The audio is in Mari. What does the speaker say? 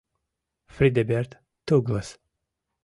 Фридеберт Туглас